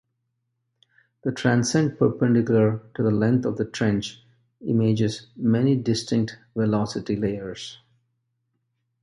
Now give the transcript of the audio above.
The transect perpendicular to the length of the trench images many distinct velocity layers.